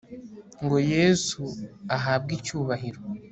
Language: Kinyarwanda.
ngo yesu ahabwe icyubahiro